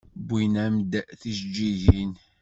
Wwin-am-d tijeǧǧigin.